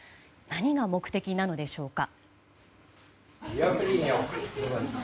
何が目的なのでしょうか。